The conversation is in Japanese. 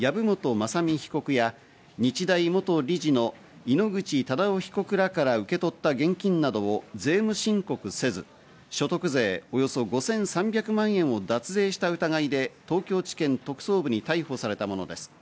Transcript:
雅巳被告や日大元理事の井ノ口忠男被告らから受け取った現金などを税務申告せず、所得税およそ５３００万円を脱税した疑いで東京地検特捜部に逮捕されたものです。